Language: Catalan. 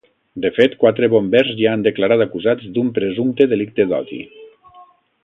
De fet, quatre bombers ja han declarat acusats d’un presumpte delicte d’odi.